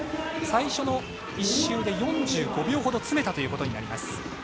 最初の１周で４５秒ほど詰めたということになります。